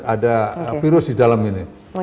ada virus di dalam ini